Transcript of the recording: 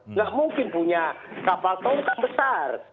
nggak mungkin punya kapal tongkang besar